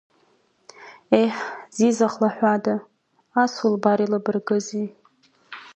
Ееҳ, Зиза хлаҳәада, ас улбар илыбаргызеи.